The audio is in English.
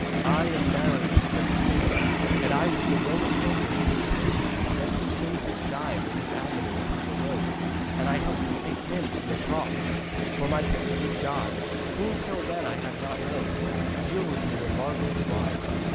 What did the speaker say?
'I am Marius,' said the king, 'and I was that Roman soldier who took pity of the gentle Saviour dying in His agony upon the rood. And I helped to take Him from the cross. For my pity did God, whom till then I had not known, deal with me in marvellous wise.